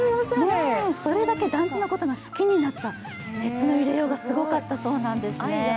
それだけ団地のことが好きになった、熱の入れようがすごかったそうなんですよね。